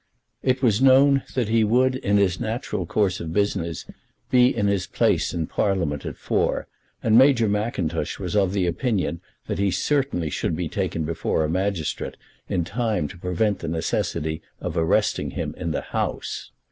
It was known that he would in his natural course of business be in his place in Parliament at four, and Major Mackintosh was of opinion that he certainly should be taken before a magistrate in time to prevent the necessity of arresting him in the House.